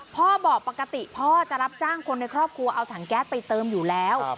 พ่อบอกปกติพ่อจะรับจ้างคนในครอบครัวเอาถังแก๊สไปเติมอยู่แล้ว